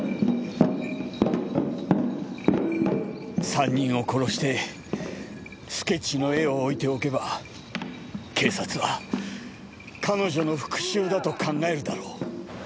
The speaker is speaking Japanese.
３人を殺してスケッチの絵を置いておけば警察は彼女の復讐だと考えるだろう。